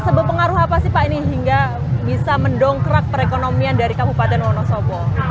seberapa pengaruh apa sih pak ini hingga bisa mendongkrak perekonomian dari kabupaten wonosobo